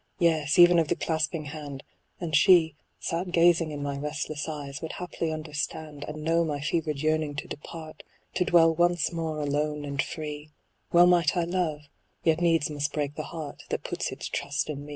Yes, even of the clasping hand ; And she, sad gazing in my restless eyes, Would haply understand, And know my fevered yearning to depart, To dwell once more alone and free : Well might I love, yet needs must break the heart That puts its trust in me.